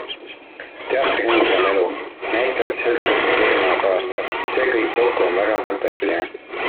Teatrihõng ja - melu, näitlejate seltskond ning erinevad lavastajad - see kõik kokku on väga fantastiline.